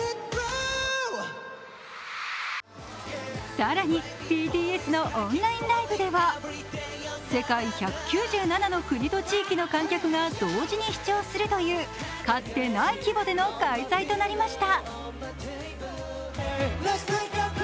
更にＢＴＳのオンラインライブでは世界１９７の国と地域の観客が同時に視聴するという、かつてない規模での開催となりました。